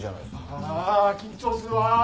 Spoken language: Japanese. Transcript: ああ緊張するわ。